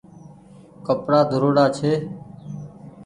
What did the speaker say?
ڪپڙآ ڌوڙاڙا ڇي